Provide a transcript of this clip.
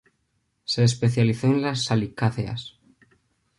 Se especializó en las salicáceas.